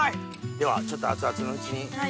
ではちょっと熱々のうちに。